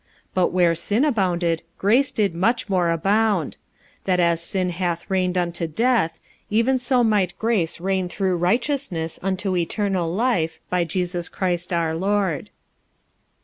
But where sin abounded, grace did much more abound: 45:005:021 That as sin hath reigned unto death, even so might grace reign through righteousness unto eternal life by Jesus Christ our Lord.